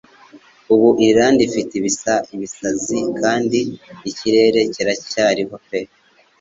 Ubu Irlande ifite ibisazi kandi ikirere kiracyariho pe